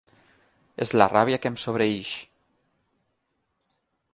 És la ràbia que em sobreïx.